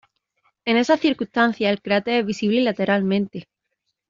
En esas circunstancias el cráter es visible lateralmente.